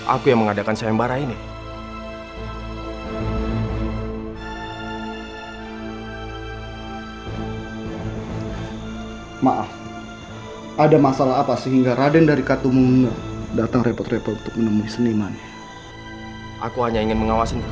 aku yang mengadakan seimbara ini